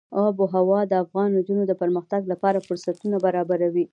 آب وهوا د افغان نجونو د پرمختګ لپاره فرصتونه برابروي.